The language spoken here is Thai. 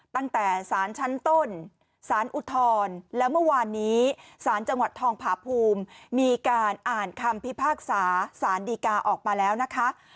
ตั้งแต่สารชั้นต้นสารอุทธรณ์แล้วเมื่อวานนี้ศาลจังหวัดทองผาภูมิมีการอ่านคำพิพากษาสารดีกาออกมาแล้วนะคะ